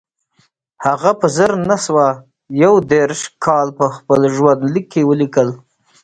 هغه په زر نه سوه یو دېرش کال په خپل ژوندلیک کې ولیکل